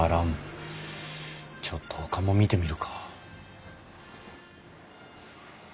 ちょっとほかも見てみるか。